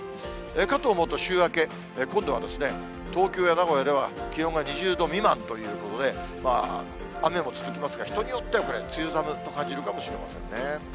かと思うと、週明け、今度は東京や名古屋では気温が２０度未満ということで、雨も続きますが、人によってはこれ、梅雨寒と感じるかもしれませんね。